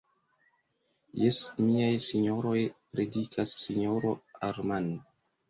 Jes, miaj sinjoroj, predikas sinjoro Armand.